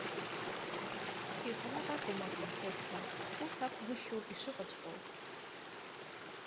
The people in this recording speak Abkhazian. Иҟалап акәым, апринцесса, ус акәгәышьоуп ишыҟаҵәҟьоу.